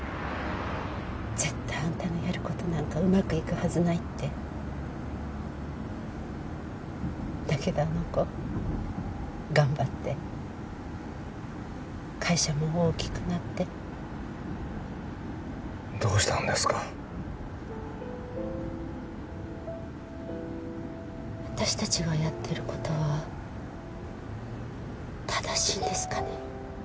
絶対アンタのやることなんかうまくいくはずないってだけどあの子頑張って会社も大きくなってどうしたんですか私達がやってることは正しいんですかね